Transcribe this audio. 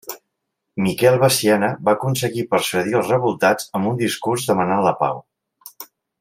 Miquel Veciana va aconseguir persuadir als revoltats amb un discurs demanant la pau.